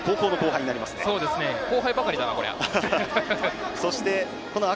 後輩ばかりだな、こりゃ。